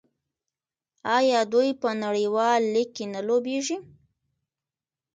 آیا دوی په نړیوال لیګ کې نه لوبېږي؟